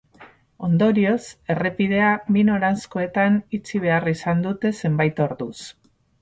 Ondorioz, errepidea bi noranzkoetan itxi behar izan dute zenbait orduz.